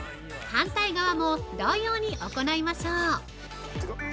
◆反対側も同様に行いましょう！